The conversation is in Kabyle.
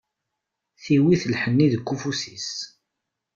Tewwet lḥenni deg ufus-is.